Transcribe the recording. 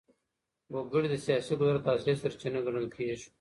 وګړي د سياسي قدرت اصلي سرچينه ګڼل کېږي.